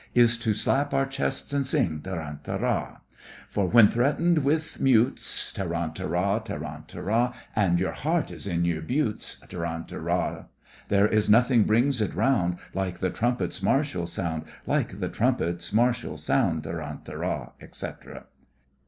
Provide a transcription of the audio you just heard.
Is to slap our chests and sing, Tarantara! For when threatened with meutes, Tarantara! tarantara! And your heart is in your boots, Tarantara! There is nothing brings it round Like the trumpet's martial sound, Like the trumpet's martial sound Tarantara! tarantara!, etc.